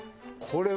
これ。